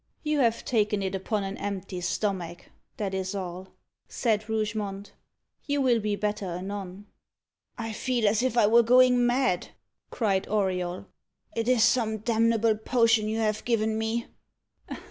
"You have taken it upon an empty stomach that is all," said Rougemont. "You will be better anon." "I feel as if I were going mad," cried Auriol. "It is some damnable potion you have given me."